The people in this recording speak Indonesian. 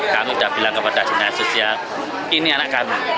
kami sudah bilang kepada dinas sosial ini anak kami